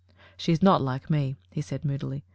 "She is not like me," he said moodily.